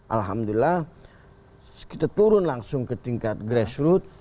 alhamdulillah kita turun langsung ke tingkat grassroot